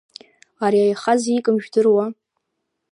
Ари аиха зикым жәдыруа?!